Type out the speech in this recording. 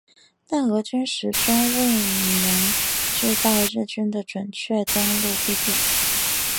但俄军始终未能知道日军的准确登陆地点。